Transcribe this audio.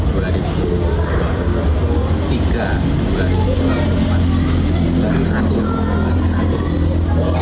ppdb tahun ini dua puluh tiga dua puluh empat dua puluh satu